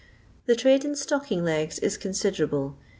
The trade in itocking legs is considerable.